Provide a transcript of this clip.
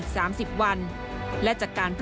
สมทรณ์อธิบาย